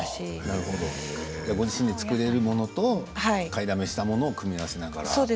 自分でご自身で作ることができるものと買い物したものを組み合わせながら。